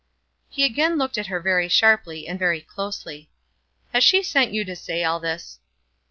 He again looked at her very sharply and very closely. "Has she sent you to say all this?"